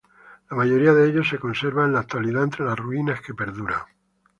La mayoría de ellos se conserva en la actualidad, entre las ruinas que perduran.